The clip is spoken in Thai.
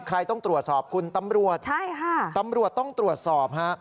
ใครต้องตรวจสอบคุณตำรวจใช่ค่ะตำรวจต้องตรวจสอบฮะ